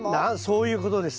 そういうことです。